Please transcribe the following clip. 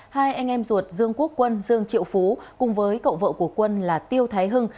hai anh em ruột dương quốc quân dương triệu phú cùng với cậu vợ của quân là tiêu thái hưng